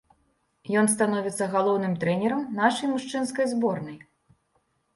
Ён становіцца галоўным трэнерам нашай мужчынскай зборнай.